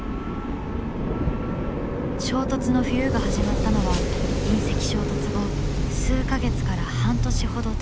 衝突の冬が始まったのは隕石衝突後数か月から半年ほどたった頃。